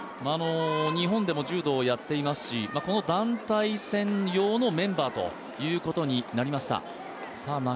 日本でも柔道をやっていますし団体戦用のメンバーということになりました。